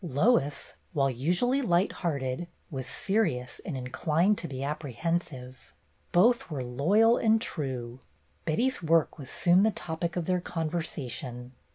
Lois, while usually light hearted, was serious and inclined to be apprehensive. Both were loyal and true. Betty's work was soon the topic of their conversation.